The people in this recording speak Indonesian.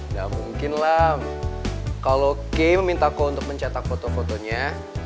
nggak mungkin lam kalau kay meminta aku untuk mencetak foto fotonya